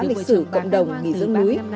lịch sử cộng đồng nghỉ dưỡng núi